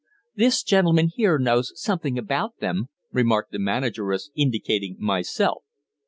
"This gentleman here knows something about them," remarked the manageress, indicating myself.